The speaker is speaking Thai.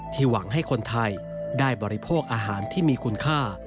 หวังให้คนไทยได้บริโภคอาหารที่มีคุณค่า